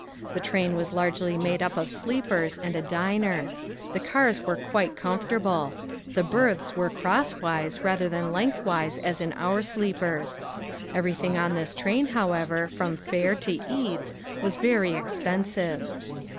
The train was largely made up of sleepers and a diner. The cars were quite comfortable. The berths are crosswise rather than lengthwise as in our sleepers. Everything on this train, however, from fare to eats was very expensive.